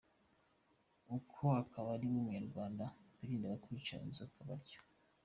Uko akaba ariko Abanyarwanda birindaga kwica inzoka batyo.